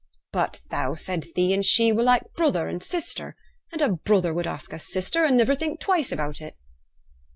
'But thou said thee and she were like brother and sister; and a brother would ask a sister, and niver think twice about it.'